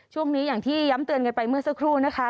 ช่วงนี้อย่างที่ย้ำเตือนกันไปเมื่อสักครู่นะคะ